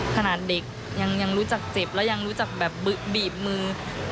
ขนาดเด็กยังรู้จักเจ็บแล้วยังรู้จักแบบบีบมือ